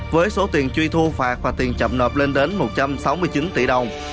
với số tiền truy thu phạt và tiền chậm nộp lên đến một trăm sáu mươi chín tỷ đồng